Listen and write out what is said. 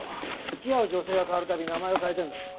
付き合う女性が変わる度名前を変えてるんだぞ。